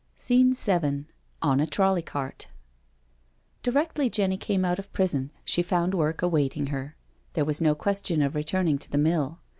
SCENE VII ON A TROLLY CART Directly Jenny came out of prison, she found work awaiting her. There was no question of returning to the mill.